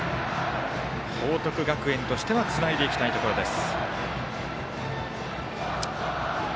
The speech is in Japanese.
報徳学園としてはつないでいきたいところです。